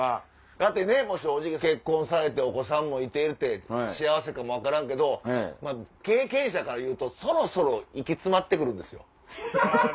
だってねもう正直結婚されてお子さんもいてるって幸せかも分からんけど経験者からいうとそろそろ息詰まって来るんですよ。